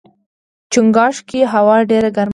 چنګاښ کې هوا ډېره ګرمه وي.